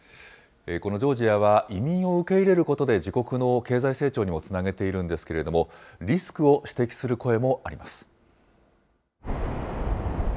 このジョージアは、移民を受け入れることで自国の経済成長にもつなげているんですけれども、リスクを指摘する声もあります。